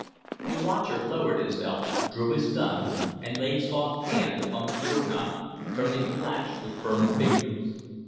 The watcher lowered himself, drew his gun, and laid soft hand upon the door knob, turning the latch with firm fingers.